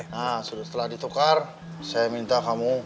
nah setelah ditukar saya minta kamu